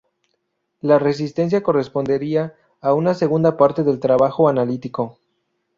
La resistencia correspondería a una segunda parte del trabajo analítico.